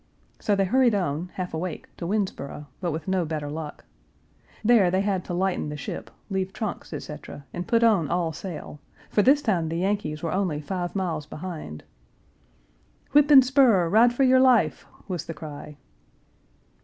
So they hurried on, half awake, to Winnsboro, but with no better luck. There they had to lighten the ship, leave trunks, etc., and put on all sail, for this time the Yankees were only five miles behind. "Whip and spur, ride for your life!" was the cry.